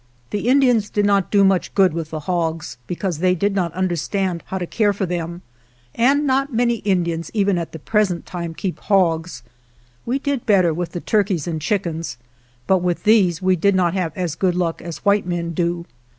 The Indians did not do much good with the hogs, because they did not understand how to care for them, and not many Indians even at the present time keep hogs. We did better with the turkeys and chickens, but with these we did not have as good luck as white men do.